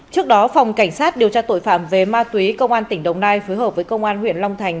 trước đó phòng cảnh sát điều tra tội phạm về ma túy công an tỉnh đồng nai phối hợp với công an huyện long thành